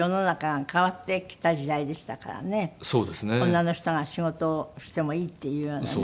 女の人が仕事をしてもいいっていうようなね。